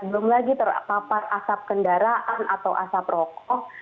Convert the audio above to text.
belum lagi terpapar asap kendaraan atau asap rokok